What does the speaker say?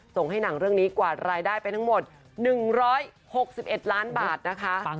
ส่งให้หนังเรื่องนี้กวาดรายได้ไปทั้งหมด๑๖๑ล้านบาทนะคะ